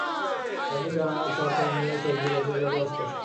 সামনের ডানার সাবটার্মিনাল ছোপগুলি অপেক্ষাকৃত অস্পষ্ট।